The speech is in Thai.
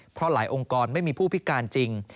เพราะหลายองค์กรไม่มีผู้พิการจริง